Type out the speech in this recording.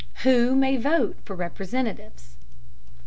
WHO MAY VOTE FOR REPRESENTATIVES.